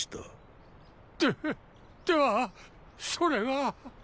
でっではそれが！